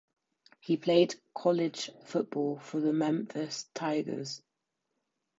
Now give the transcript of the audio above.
He played college football for the Memphis Tigers.